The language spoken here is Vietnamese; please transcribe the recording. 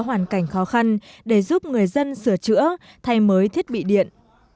hoàn cảnh khó khăn để giúp người dân sửa chữa thay mới thiết bị điện